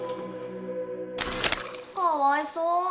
かわいそう。